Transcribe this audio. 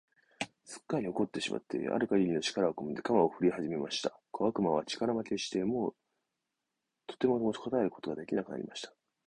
すっかり怒ってしまってある限りの力をこめて、鎌をふりはじました。小悪魔は力負けして、もうとても持ちこたえることが出来なくなりました。